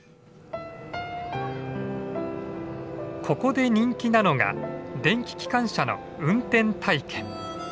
ここで人気なのが電気機関車の運転体験。